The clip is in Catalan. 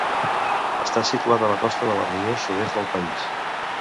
Està situat a la costa de la regió sud-est del país.